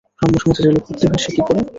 ব্রাহ্মসমাজে যে লোক ভক্তিহীন সে কী করে?